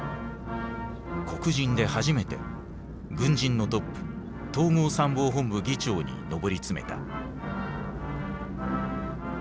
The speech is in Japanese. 黒人で初めて軍人のトップ統合参謀本部議長に上り詰めた。